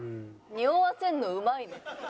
におわせるのうまいね。